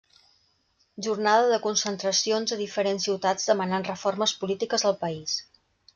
Jornada de concentracions a diferents ciutats demanant reformes polítiques al país.